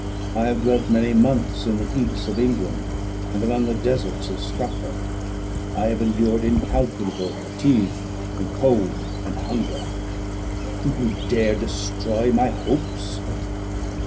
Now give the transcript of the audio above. I have dwelt many months in the heaths of England, and among the deserts of Scotland. I have endured incalculable fatigue, and cold, and hunger; do you dare destroy my hopes?"